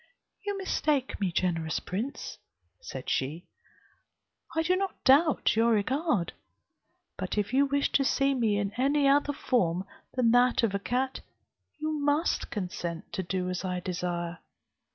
"You mistake me, generous prince," said she, "I do not doubt your regard; but if you wish to see me in any other form than that of a cat, you must consent to do as I desire.